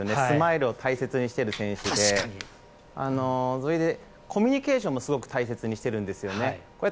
スマイルを大切にしている選手でそれでコミュニケーションもすごく大切にしてるんですよね。